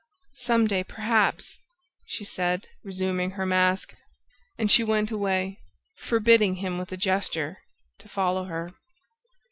... Some day, perhaps!" she said, resuming her mask; and she went away, forbidding him, with a gesture, to follow her.